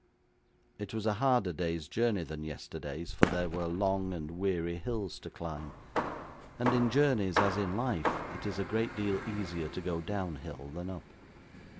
It was a harder day's journey than yesterday's, for there were long and weary hills to climb; and in journeys, as in life, it is a great deal easier to go down hill than up.